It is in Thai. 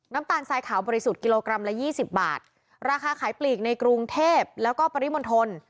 น้ำตาลทรายขาวบริสุทธิ์กิโลกรัมละยี่สิบบาทราคาขายปลีกในกรุงเทพแล้วก็ปริมณฑล